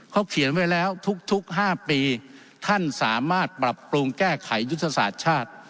เขาเขียนไว้แล้วทุก๕ปีท่านสามารถปรับปรุงแก้ไขยุทธศาสตร์ชาติ